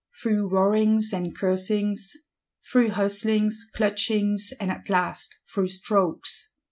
Through roarings and cursings; through hustlings, clutchings, and at last through strokes!